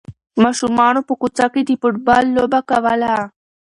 ماشومانو په کوڅه کې د فوټبال لوبه کوله.